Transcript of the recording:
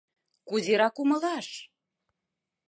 Кузерак умылаш?”